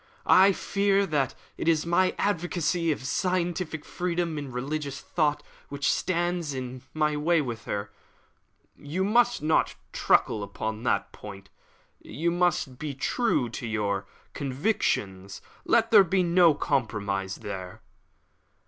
"I fear that it is my advocacy of scientific freedom in religious thought which stands in my way with her." "You must not truckle upon that point. You must be true to your convictions; let there be no compromise there."